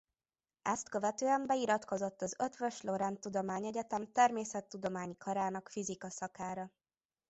Ezt követően beiratkozott az Eötvös Loránd Tudományegyetem Természettudományi Karának fizika szakára.